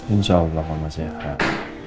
insya allah mama sehat